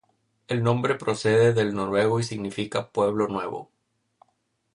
El nombre procede del noruego y significa "Pueblo Nuevo".